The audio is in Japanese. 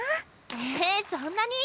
ええそんなに？